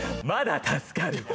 まだ助かる。